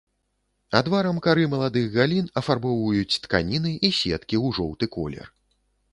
Адварам кары маладых галін афарбоўваюць тканіны і сеткі ў жоўты колер.